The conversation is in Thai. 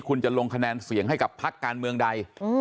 คุณจะลงคะแนนเสียงให้กับพักการเมืองใด